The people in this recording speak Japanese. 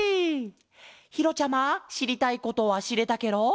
ひろちゃましりたいことはしれたケロ？